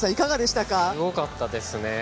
すごかったですね。